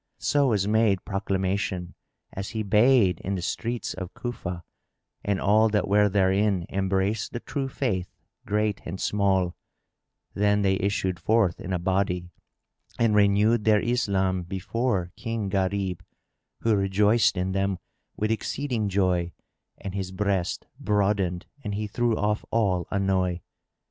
So was made proclamation as he bade in the streets of Cufa and all that were therein embraced the True Faith, great and small; then they issued forth in a body and renewed their Islam before King Gharib, who rejoiced in them with exceeding joy and his breast broadened and he threw off all annoy.